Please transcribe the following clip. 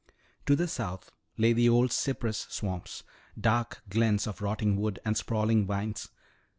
To the south lay the old cypress swamps, dark glens of rotting wood and sprawling vines.